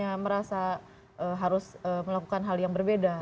yang merasa harus melakukan hal yang berbeda